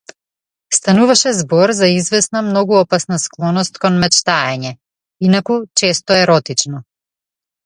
Стануваше збор за извесна многу опасна склоност кон мечтаење, инаку често еротично.